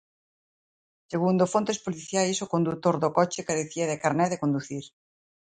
Segundo fontes policiais, o condutor do coche carecía de carné de conducir.